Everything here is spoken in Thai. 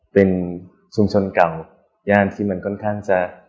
เป็นชุมชนเก่าย่านที่มันค่อนข้างจะ